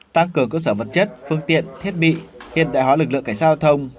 tăng cường cơ sở vật chất phương tiện thiết bị hiện đại hóa lực lượng cảnh giao thông